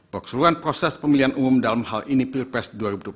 perseruan proses pemilihan umum dalam hal ini pilpres dua ribu dua puluh